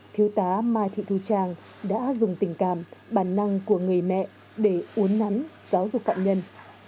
thiếu tá mai thị thu trang đã dùng tình cảm bản năng của người mẹ để uốn nắn giáo dục phạm nhân